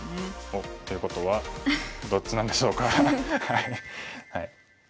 おっ！ということはどっちなんでしょうか。